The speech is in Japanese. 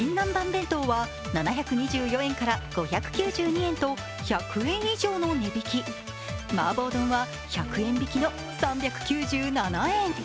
弁当は７２４円から５９２円と１００円以上の値引き麻婆丼は１００円引きの３９７円。